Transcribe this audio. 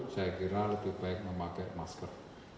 saya kira lebih baik memakai masker